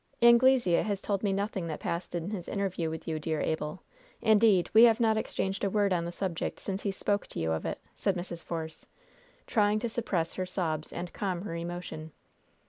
"Anglesea has told me nothing that passed in his interview with you, dear Abel. Indeed, we have not exchanged a word on the subject since he spoke to you of it," said Mrs. Force, trying to suppress her sobs and calm her emotion.